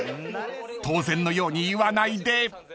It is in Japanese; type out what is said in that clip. ［当然のように言わないで］